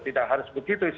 tidak harus begitu